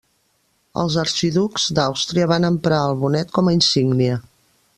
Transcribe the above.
Els arxiducs d'Àustria van emprar el bonet com a insígnia.